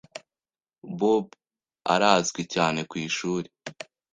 Bob arazwi cyane kwishuri.